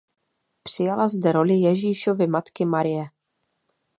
Přijala zde roli Ježíšovy matky Marie.